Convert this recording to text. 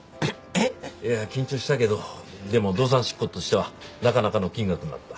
いや緊張したけどでも動産執行としてはなかなかの金額になった。